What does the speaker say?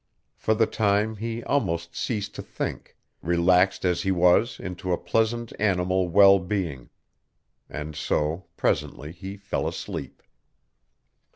For the time he almost ceased to think, relaxed as he was into a pleasant, animal well being. And so presently he fell asleep.